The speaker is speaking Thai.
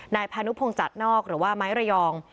นายพานุพงศ์จัดนอกหรือว่าไม้ระยอง